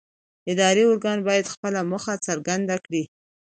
اداري ارګان باید خپله موخه څرګنده کړي.